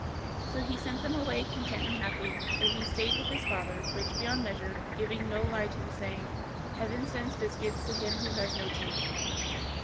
So he sent them away content and happy, but he stayed with his father, rich beyond measure, giving no lie to the saying, "Heaven sends biscuits to him who has no teeth."